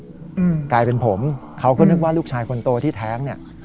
อืมกลายเป็นผมเขาก็นึกว่าลูกชายคนโตที่แท้งเนี้ย